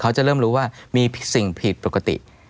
เขาจะเริ่มรู้ว่ามีสิ่งผิดปกติ